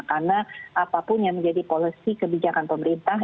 karena apapun yang menjadi polisi kebijakan pemerintah